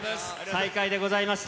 再会でございました。